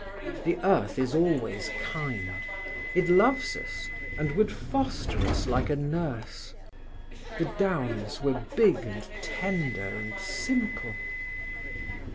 The earth is always kind; it loves us, and would foster us like a nurse. The downs were big and tender and simple.